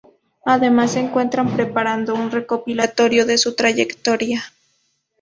Además, se encuentran preparando un recopilatorio de su trayectoria.